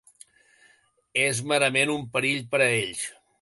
És merament un perill per a ells.